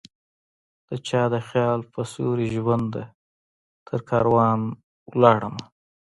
دچا د خیال په سیوری ژونده ؛ ترکاروان ولاړمه